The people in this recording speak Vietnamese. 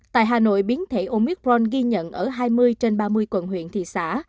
tại hà nội biến thể omicron ghi nhận ở hai mươi trên ba mươi quận huyện thị xã